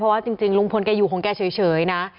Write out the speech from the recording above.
เพราะว่าจริงรุงภนธุ์แกอยู่ของแกเฉยนะ